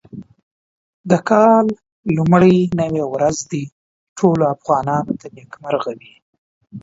د کال لومړۍ نوې ورځ دې ټولو افغانانو ته نېکمرغه وي.